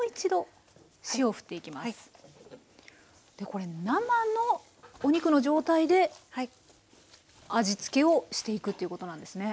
これ生のお肉の状態で味付けをしていくということなんですね。